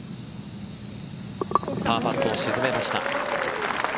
パーパットを沈めました。